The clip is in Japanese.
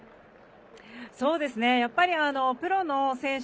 やっぱり、プロの選手